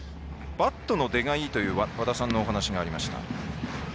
バットの出がいいという和田さんのお話がありました。